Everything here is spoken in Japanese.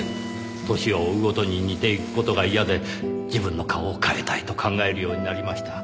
年を追うごとに似ていく事が嫌で自分の顔を変えたいと考えるようになりました。